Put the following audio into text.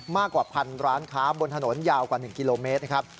มากกว่าพันร้านค้าบนถนนยาวกว่า๑กิโลเมตรนะครับ